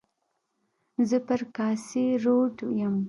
زه پر کاسي روډ یم.